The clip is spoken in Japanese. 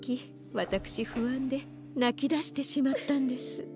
わたくしふあんでなきだしてしまったんです。